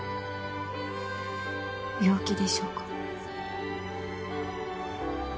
病気でしょうか。